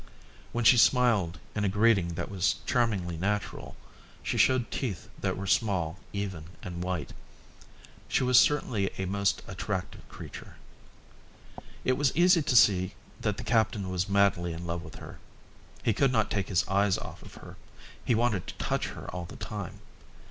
When she smiled in a greeting that was charmingly natural, she showed teeth that were small, even, and white. She was certainly a most attractive creature. It was easy to see that the captain was madly in love with her. He could not take his eyes off her; he wanted to touch her all the time.